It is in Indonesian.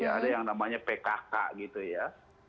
ada yang namanya pkk gitu ya